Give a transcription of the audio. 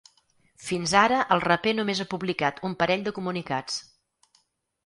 Fins ara el raper només ha publicat un parell de comunicats.